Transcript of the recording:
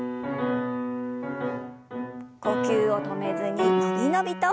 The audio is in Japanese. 呼吸を止めずに伸び伸びと。